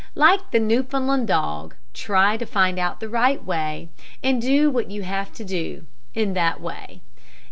Like the Newfoundland dog, try to find out the right way, and do what you have to do, in that way.